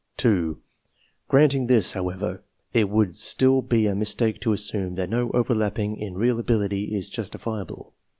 (2) Granting this, however, it would still be a mis take to assume that no overlapping in real ability is jus tifiable.